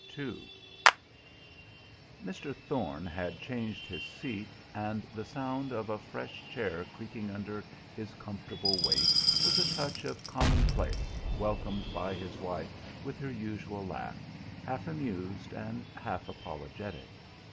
II Mr. Thorne had changed his seat, and the sound of a fresh chair creaking under his comfortable weight was a touch of commonplace welcomed by his wife with her usual laugh, half amused and half apologetic.